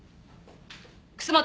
楠本。